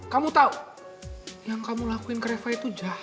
kamu tahu yang kamu lakuin ke reva itu jahat